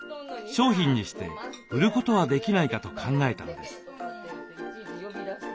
商品にして売ることはできないかと考えたのです。